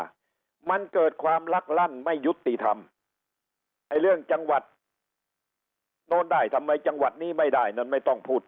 สมันเกิดความลักลั่นไม่ยุติธรรมในเรื่องจังหวัดโน้นได้ทำไมจังหวัดนี้ไม่ได้